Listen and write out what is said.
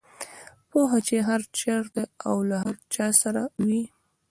پوهه چې هر چېرته او له هر چا سره وي.